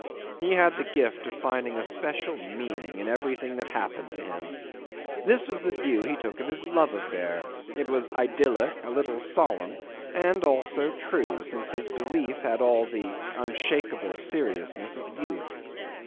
He had the gift of finding a special meaning in everything that happened to him. This was the view he took of his love affair; it was idyllic, a little solemn, and also true, since his belief had all the unshakable seriousness of youth.